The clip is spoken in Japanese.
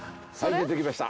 出てきました！